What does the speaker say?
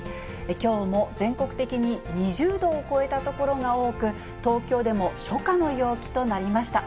きょうも全国的に２０度を超えた所が多く、東京でも初夏の陽気となりました。